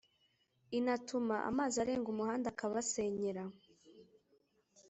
inatuma amazi arenga umuhanda akabasenyera